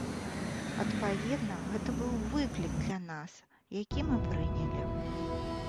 Адпаведна, гэта быў выклік для нас, які мы прынялі.